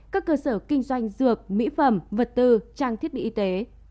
các cơ sở kinh doanh dược mỹ phẩm vật tư trang thiết bị y tế